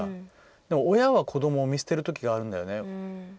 でも親は子どもを見捨てるときあるんだよね。